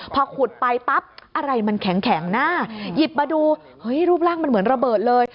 พอขุดไปปั๊บอะไรมันแข็งหน้าหยิบมาดูเฮ้ยรูปร่างมันเหมือนระเบิดเลย